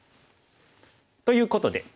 ということで。